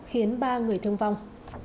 khiến ba người thương vong